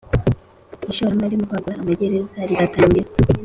ishoramari mu kwagura amagereza rizatangira